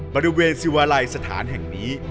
บริเวณสิวาลัยสถานแห่งนี้